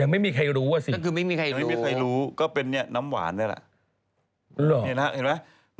ยังไม่มีใครรู้สิคือไม่มีใครรู้ก็เป็นน้ำหวานนั่นแหละนี่นะเห็นไหม